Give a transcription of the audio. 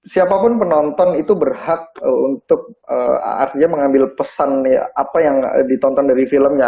siapapun penonton itu berhak untuk artinya mengambil pesan apa yang ditonton dari filmnya